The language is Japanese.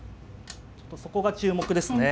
そこが注目ですね。